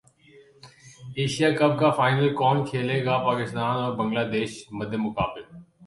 Asia Cup کا final کون کھیلے گا پاکستان اور بنگلہ دیش مدمقابل